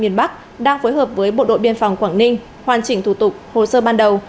miền bắc đang phối hợp với bộ đội biên phòng quảng ninh hoàn chỉnh thủ tục hồ sơ ban đầu